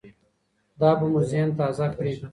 دا به مو ذهن تازه کړي.